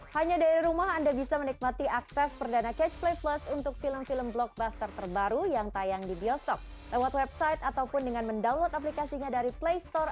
hanya dari rumah anda bisa menikmati akses perdana catch play plus